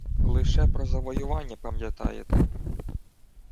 Лише про завоювання пам'ятаєте